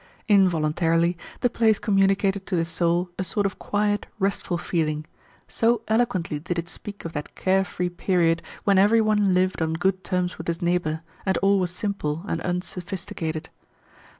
Involuntarily the place communicated to the soul a sort of quiet, restful feeling, so eloquently did it speak of that care free period when every one lived on good terms with his neighbour, and all was simple and unsophisticated.